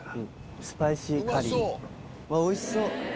おいしそう！